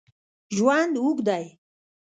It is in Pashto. ژوند اوږد دی